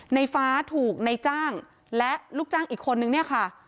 ในฟ้าถูกในจ้างและลูกจ้างอีกคนนึงเนี่ยค่ะ